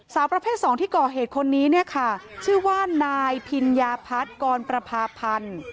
สาวประเภทสองที่ก่อเหตุคนนี้เนี่ยค่ะชื่อว่านายพิญญาพัฒน์กรประพาพันธ์